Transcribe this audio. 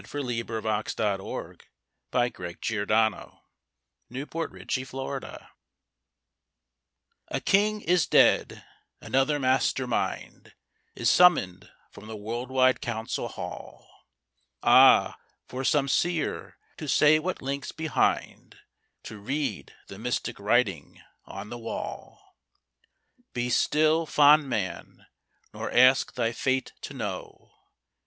ON THE DEATH OF LEOPOLD, KING OF THE BELGIANS A King is dead! Another master mind Is summoned from the world wide council hall. Ah, for some seer, to say what links behind To read the mystic writing on the wall! Be still, fond man: nor ask thy fate to know.